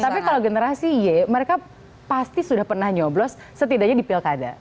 tapi kalau generasi y mereka pasti sudah pernah nyoblos setidaknya di pilkada